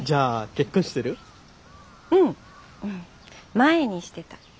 前にしてた。